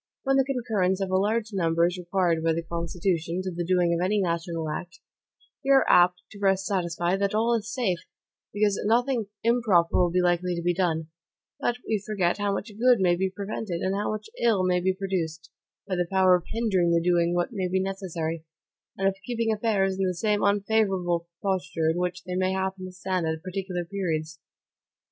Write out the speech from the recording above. When the concurrence of a large number is required by the Constitution to the doing of any national act, we are apt to rest satisfied that all is safe, because nothing improper will be likely TO BE DONE, but we forget how much good may be prevented, and how much ill may be produced, by the power of hindering the doing what may be necessary, and of keeping affairs in the same unfavorable posture in which they may happen to stand at particular periods.